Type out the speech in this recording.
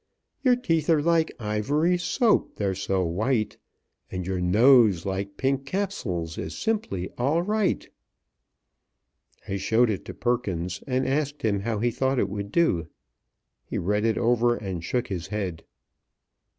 "Your teeth are like Ivory Soap, they're so white, And your nose, like Pink Capsules, Is simply all right!" I showed it to Perkins, and asked him how he thought it would do. He read it over and shook his head.